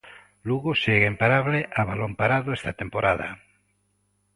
O Lugo segue imparable a balón parado esta temporada.